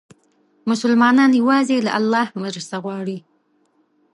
مسلمان یوازې له الله مرسته غواړي.